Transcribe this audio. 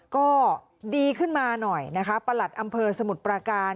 ก็ดีขึ้นมาหน่อยนะคะประหลัดอำเภอสมุทรปราการ